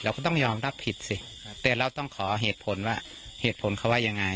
ก็ต้องยอมรับผิดสิแต่เราต้องขอเหตุผลว่าเหตุผลเขาว่ายังไง